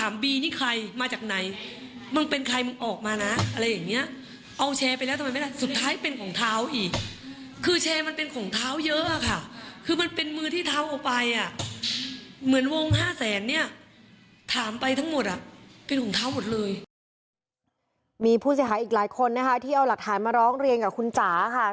มีผู้เสียหายอีกหลายคนนะคะที่เอาหลักฐานมาร้องเรียนกับคุณจ๋าค่ะ